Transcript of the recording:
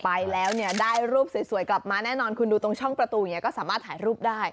ไปแล้วเนี่ยได้รูปสวยกลับมาแน่นอนคุณดูตรงช่องประตูอย่างนี้ก็สามารถถ่ายรูปได้